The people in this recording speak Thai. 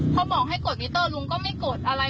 พอบอกให้กดมิเตอร์ลุงก็ไม่โกรธอะไร